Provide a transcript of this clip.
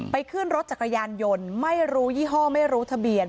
ขึ้นรถจักรยานยนต์ไม่รู้ยี่ห้อไม่รู้ทะเบียน